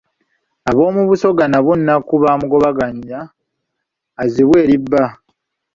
Ab'omu Busoga nabo Nnakku baamugobaganya azzibwe eri bba.